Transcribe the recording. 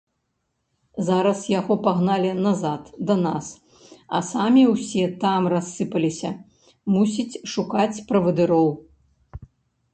Зараз яго пагналі назад, да нас, а самі ўсе там рассыпаліся, мусіць, шукаць правадыроў.